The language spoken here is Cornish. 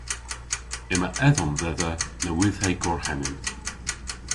Yma edhomm dhedha nowydhhe gorhemmyn.